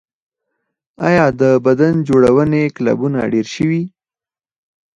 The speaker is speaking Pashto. آیا د بدن جوړونې کلبونه ډیر شوي؟